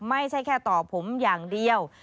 ไม่ใช่แค่ต่อผมอย่างเดียว